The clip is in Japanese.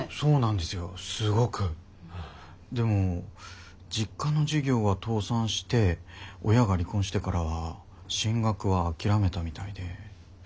でも実家の事業が倒産して親が離婚してからは進学は諦めたみたいで。